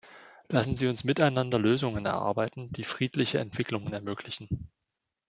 Lassen Sie uns miteinander Lösungen erarbeiten, die friedliche Entwicklungen ermöglichen.